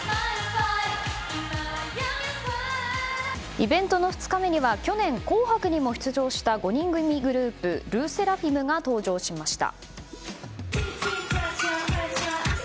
イベントの２日目には去年、「紅白」にも出場した５人組グループＬＥＳＳＥＲＡＦＩＭが登場しました。